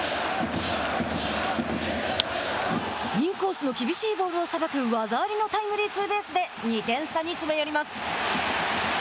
インコースの厳しいボールをさばく技ありのタイムリーツーベースで２点差に詰め寄ります。